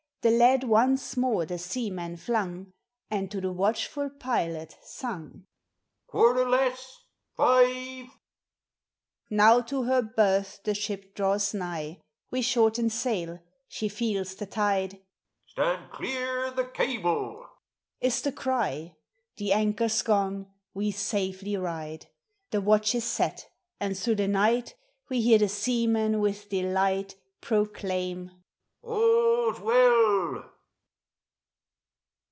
The lead once more the seaman flung, And to the watchful pilot sung, k Quarter less— five !" Now to her berth the ship draws nigh: We shorten sail,— she feels the tide — Stand clear the cable" is the cry — The anchor 's gone; we safely ride. The watch is set, and through the night We hear the seamen with delight Proclaim.— < k All